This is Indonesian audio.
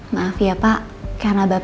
maaf ya pak kita udah habis